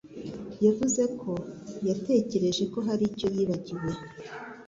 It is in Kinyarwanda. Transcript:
yavuze ko yatekereje ko hari icyo yibagiwe.